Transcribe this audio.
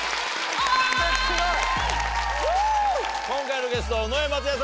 今回のゲスト尾上松也さんです。